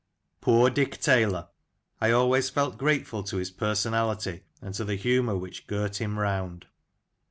Poor Dick Taylor ! I always felt grateful to his person ality, and to the humour which girt him round.